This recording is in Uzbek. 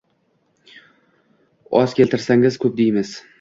Oz keltirsangiz koʻp deymiz.